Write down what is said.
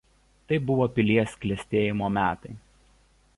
Tai buvo pilies klestėjimo metai.